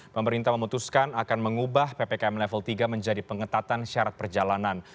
pemerintah memutuskan akan mengubah ppkm level tiga menjadi pengetatan syarat perjalanan